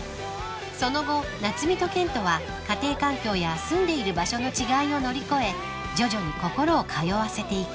［その後夏海と健人は家庭環境や住んでいる場所の違いを乗り越え徐々に心を通わせていく］